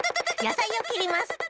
やさいをきります！